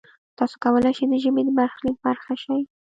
تاسو کولای شئ د ژبې د برخلیک برخه شئ.